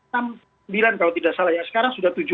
kalau tidak salah sekarang sudah tujuh puluh empat